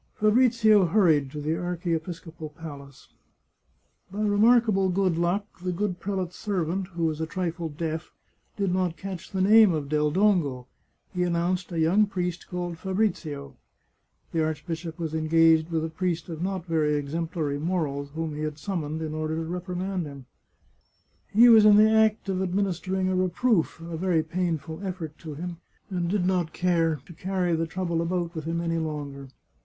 Fabrizio hurried to the archiepiscopal palace. By remarkable good luck the good prelate's servant, who was a trifle deaf, did not catch the name of Del Dongo. He announced a young priest called Fabrizio. The arch bishop was engaged with a priest of not very exemplary morals, whom he had summoned in order to reprimand him. He was in the act of administering a reproof — a very pain ful effort to him, and did not care to carry the trouble about with him any longer.